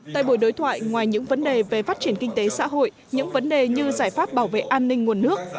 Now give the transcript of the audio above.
tại buổi đối thoại ngoài những vấn đề về phát triển kinh tế xã hội những vấn đề như giải pháp bảo vệ an ninh nguồn nước